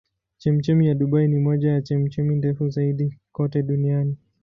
Chemchemi ya Dubai ni moja ya chemchemi ndefu zaidi kote duniani.